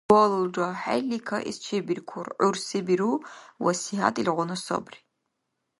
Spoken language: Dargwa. Балулра… ХӀерли кайэс чебиркур. ГӀур се биру, васият илгъуна сабри.